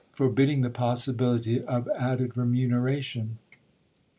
forbidding the possibility of added remuneration.